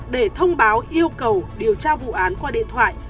để thông báo yêu cầu điều tra vụ án qua điện thoại